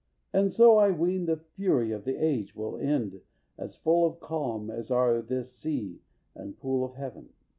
And so, I ween, The fury of the age will end as full Of calm as are this sea and pool of heaven."